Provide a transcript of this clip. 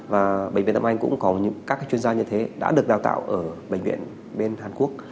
và bệnh viện đa khoa tâm anh cũng có những các chuyên gia như thế đã được đào tạo ở bệnh viện bên hàn quốc